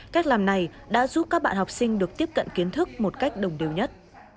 cách làm này đã giúp các bạn học sinh được tiếp cận kiến thức một cách đồng điều nhất